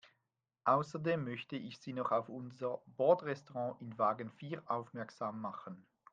Außerdem möchte ich Sie noch auf unser Bordrestaurant in Wagen vier aufmerksam machen.